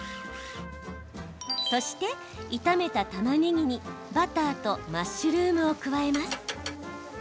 そして、炒めたたまねぎにバターとマッシュルームを加えます。